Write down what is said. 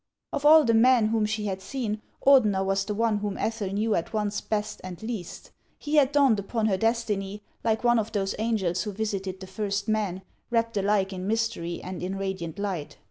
Of all the men whom she had seen, Ordener was the one whom Ethel knew at once best and least. He had dawned upon her destiny, like one of those angels who visited the first men, wrapped alike in mystery and in radiant light.